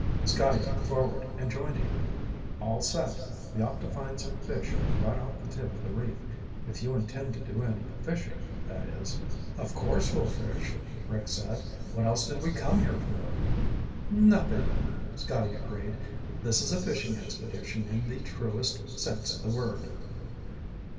Scotty came forward and joined him. "All set. We ought to find some fish right off the tip of the reef. If you intend to do any fishing, that is." "Of course we'll fish," Rick said. "What else did we come here for?" "Nothing," Scotty agreed. "This is a fishing expedition in the truest sense of the word."